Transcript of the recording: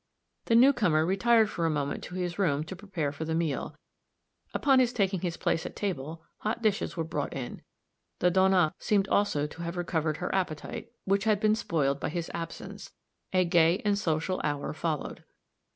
The new comer retired for a moment to his room to prepare for the meal; upon his taking his place at table, hot dishes were brought in; the Donna seemed also to have recovered her appetite, which had been spoiled by his absence; a gay and social hour followed.